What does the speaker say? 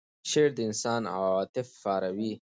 شعر د انسان عواطف پاروي.